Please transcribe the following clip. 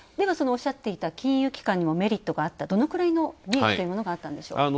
おっしゃっていた金融機関にもメリットがあったどのくらいの利益というものがあったんでしょう？